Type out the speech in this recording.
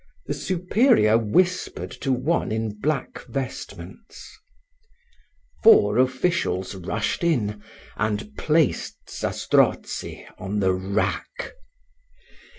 The superior whispered to one in black vestments. Four officials rushed in, and placed Zastrozzi on the rack.